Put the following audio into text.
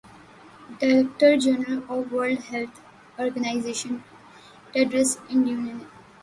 director general of World Health Organization Tedros اڈینو نے آج کہ